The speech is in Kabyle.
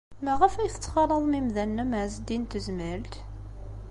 Maɣef ay tettxalaḍem imdanen am Ɛezdin n Tezmalt?